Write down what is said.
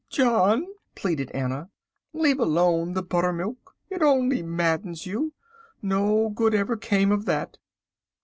"John," pleaded Anna, "leave alone the buttermilk. It only maddens you. No good ever came of that."